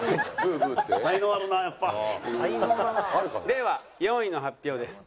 では４位の発表です。